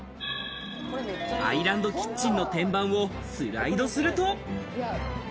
アイランドキッチンの天板をスライドすると。